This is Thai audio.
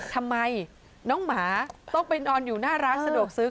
ทำไมน้องหมาต้องไปนอนอยู่หน้าร้านสะดวกซื้อ